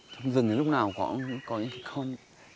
trong rừng ấy lúc nào cũng có những con